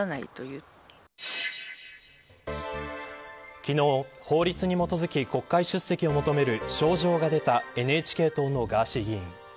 昨日、法律に基づき国会出席を求める招状が出たＮＨＫ党のガーシー議員。